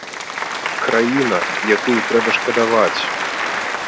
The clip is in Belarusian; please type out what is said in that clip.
Краіна, якую трэба шкадаваць.